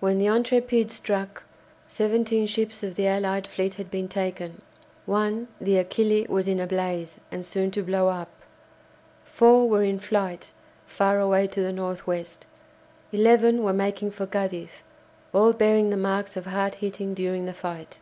When the "Intrépide" struck, seventeen ships of the allied fleet had been taken, one, the "Achille," was in a blaze, and soon to blow up; four were in flight far away to the north west, eleven were making for Cadiz, all bearing the marks of hard hitting during the fight.